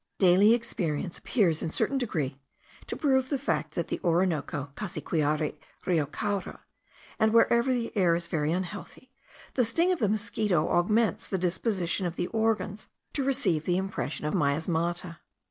Daily experience appears in a certain degree to prove the fact that at the Orinoco, Cassiquiare, Rio Caura, and wherever the air is very unhealthy, the sting of the mosquito augments the disposition of the organs to receive the impression of miasmata.